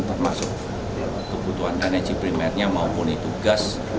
termasuk kebutuhan energi primernya maupun itu gas